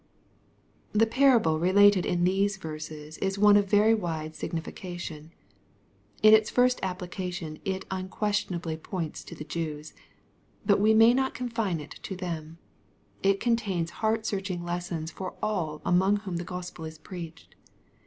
The parable related in these verses is one of very wide signification. CId its first application it unquestionably points to the Jews.) But we may not confine it to them. It contains heart searching lessons for all among whom the Gospel is preached.